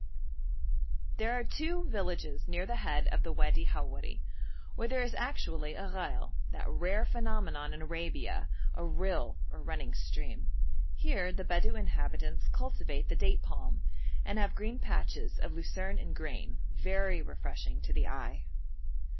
There are two villages near the head of the Wadi Howeri, where there is actually a ghail that rare phenomenon in Arabia, a rill or running stream. Here the Bedou inhabitants cultivate the date palm, and have green patches of lucerne and grain, very refreshing to the eye.